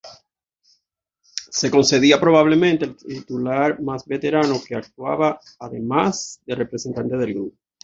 Se concedía probablemente al titular más veterano que actuaba además de representante del grupo.